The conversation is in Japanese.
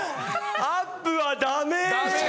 アップはダメェ！